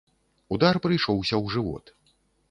Удар прыйшоўся ў жывот.